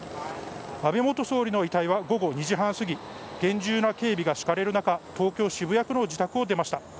安倍元総理の遺体は、午後２時半すぎ厳重な警備が敷かれる中東京・渋谷区の自宅を出ました。